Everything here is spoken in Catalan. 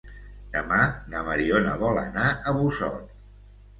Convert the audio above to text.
Demà na Mariona vol anar a Busot.